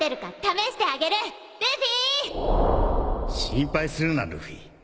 心配するなルフィ